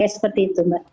seperti itu mbak